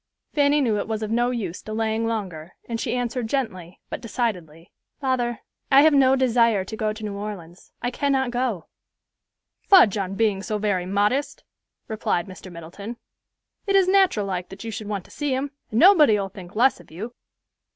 Fanny knew it was of no use delaying longer and she answered gently, but decidedly, "Father, I have no desire to go to New Orleans. I cannot go." "Fudge on being so very modest," replied Mr. Middleton. "It is nateral like that you should want to see him, and nobody'll think less of you."